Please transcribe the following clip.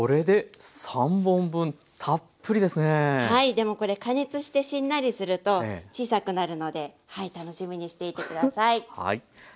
でもこれ加熱してしんなりすると小さくなるのではい楽しみにしていて下さい。